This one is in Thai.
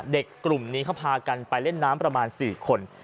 กลุ่มนี้เขาพากันไปเล่นน้ำประมาณ๔คน